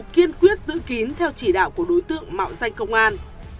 kiên quyết giữ kín theo chỉ đạo của đối tượng mạo danh công an